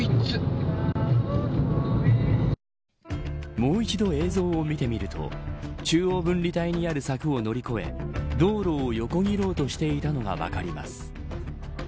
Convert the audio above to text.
もう一度、映像を見てみると中央分離帯にある柵を乗り越え道路を横切ろうとしていたのが分かります。